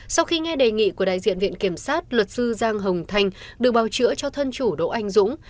sau khi nghe đề nghị của đại diện viện kiểm sát luật sư giang hồng thành được bào chữa cho thân chủ đỗ anh dũng